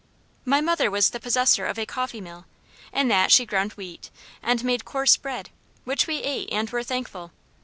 My mother was the possessor of a coffee mill. In that she ground wheat, and made coarse bread, which we ate, and were thankful.